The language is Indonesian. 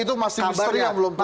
itu masih misteri yang belum tukar